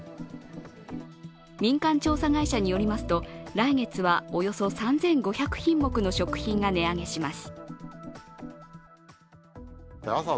民間調査会社によりますと来月は、およそ３５００品目の食品が値上げします。